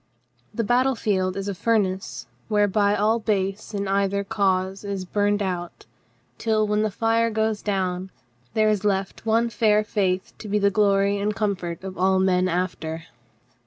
The battle field is a furnace whereby all base in either cause is burned out till, when the fire dies down, there is left one fair faith to be the glory and comfort of all men after.